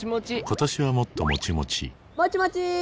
今年はもっともちもちもちもちー！